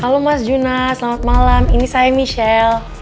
halo mas juna selamat malam ini saya michelle